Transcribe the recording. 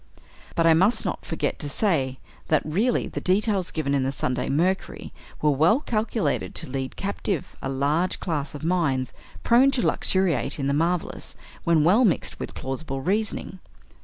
But I must not forget to say that, really, the details given in the "Sunday Mercury" were well calculated to lead captive a large class of minds prone to luxuriate in the marvelous when well mixed with plausible reasoning.